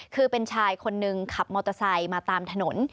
คือเป็นชายคนหนึ่งขับมอเตอร์ไซค์มาตามถนน